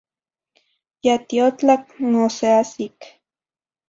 Ya tiotlac n oseahsic.